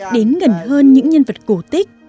đến gần hơn những nhân vật cổ tích